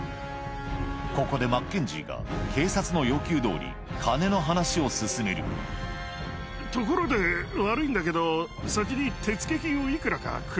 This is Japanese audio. ここでマッケンジーが警察の要求どおり金の話を進めるところで悪いんだけど先に。